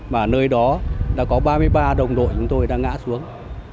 mà nơi đó đã có ba mươi ba đồng đội chúng tôi đang ngã xuống